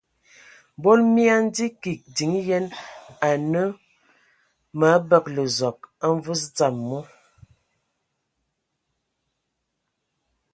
Mbol mii andzi kig din yen anǝ mə abǝgǝlǝ Zɔg a mvus dzam mu.